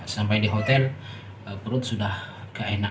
sampai di hotel perut sudah keenak